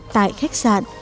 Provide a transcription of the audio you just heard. tại khách sạn